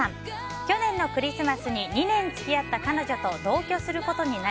去年のクリスマスに２年付き合った彼女と同居することになり